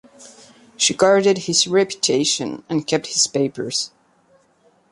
She guarded his reputation and kept his papers.